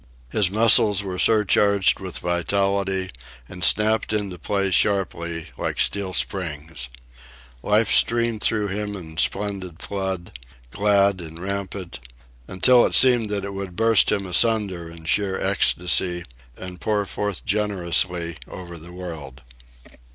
His muscles were surcharged with vitality, and snapped into play sharply, like steel springs. Life streamed through him in splendid flood, glad and rampant, until it seemed that it would burst him asunder in sheer ecstasy and pour forth generously over the world.